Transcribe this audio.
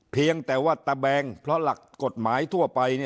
เพียงแต่ว่าตะแบงเพราะหลักกฎหมายทั่วไป